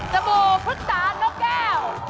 บู่พุษานกแก้ว